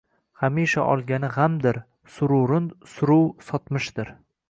Hamisha olgani gʻamdir, sururin suruv sotmishdir